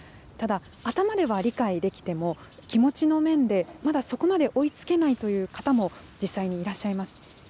ただ、頭では理解できても、気持ちの面でまだそこまで追いつけないという方も実際にいらっしゃいます。